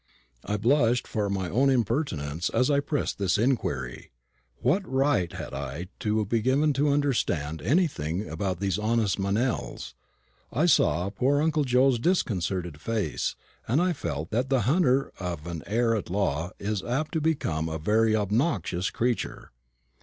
I blushed for my own impertinence as I pressed this inquiry. What right had I to be given to understand anything about these honest Meynells? I saw poor uncle Joe's disconcerted face, and I felt that the hunter of an heir at law is apt to become a very obnoxious creature.